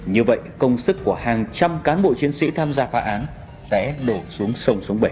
như vậy công sức của hàng trăm cán bộ chiến sĩ tham gia phạm án té đổ xuống sông sống bể